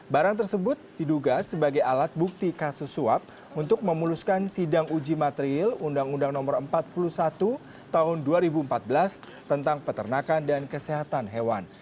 barang tersebut diduga sebagai alat bukti kasus suap untuk memuluskan sidang uji material undang undang no empat puluh satu tahun dua ribu empat belas tentang peternakan dan kesehatan hewan